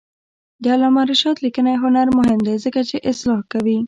د علامه رشاد لیکنی هنر مهم دی ځکه چې اصلاح کوي.